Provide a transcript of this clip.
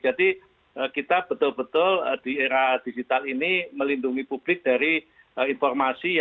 jadi kita betul betul di era digital ini melindungi publik dari informasi